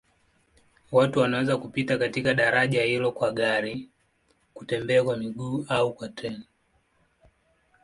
Watu wanaweza kupita katika daraja hilo kwa gari, kutembea kwa miguu au kwa treni.